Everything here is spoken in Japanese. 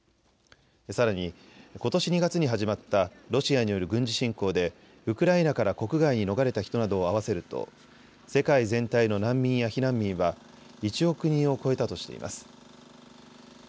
さらに、ことし２月に始まったロシアによる軍事侵攻でウクライナから国外に逃れた人などを合わせると世界全体の難民や避難民は１億人を超えたとしています。